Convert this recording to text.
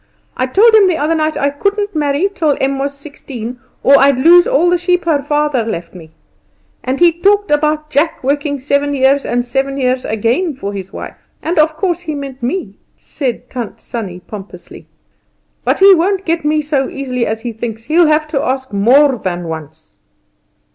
I told him the other night I couldn't marry till Em was sixteen, or I'd lose all the sheep her father left me. And he talked about Jacob working seven years and seven years again for his wife. And of course he meant me," said Tant Sannie pompously. "But he won't get me so easily as he thinks; he'll have to ask more than once."